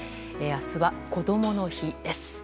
明日は、こどもの日です。